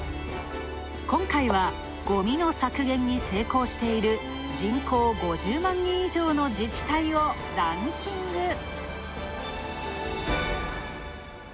今回は、ごみの削減に成功している人口５０万人以上の自治体をランキング。